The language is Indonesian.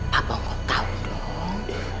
pak bongkok tahu dong